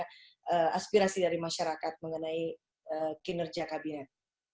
apa aspirasi dari masyarakat mengenai kinerja kabinet